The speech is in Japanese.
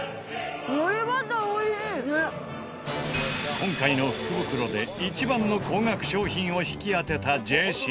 今回の福袋で一番の高額商品を引き当てたジェシー。